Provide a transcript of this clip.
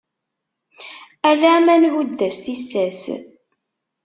Ala ma nhudd-as tissas.